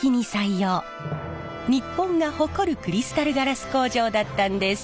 日本が誇るクリスタルガラス工場だったんです。